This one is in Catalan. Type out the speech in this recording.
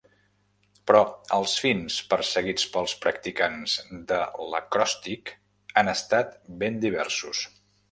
Però els fins perseguits pels practicants de l'acròstic han estat ben diversos.